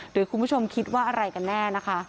หรือคุณผู้ชมคิดว่าอะไรกันแน่นะคะ